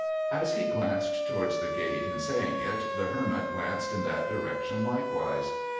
As he glanced towards the gate in saying it, the Hermit glanced in that direction likewise.